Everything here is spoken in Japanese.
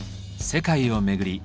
世界を巡り